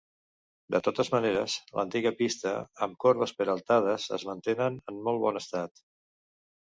De totes maneres, l'antiga pista, amb corbes peraltades es mantenen en molt bon estat.